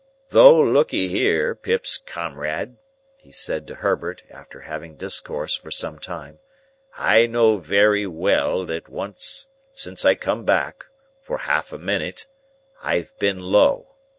"Though, look'ee here, Pip's comrade," he said to Herbert, after having discoursed for some time, "I know very well that once since I come back—for half a minute—I've been low.